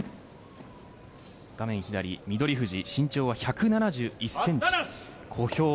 画面左、翠富士身長１７１ｃｍ小兵。